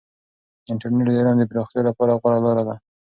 انټرنیټ د علم د پراختیا لپاره غوره لاره ده.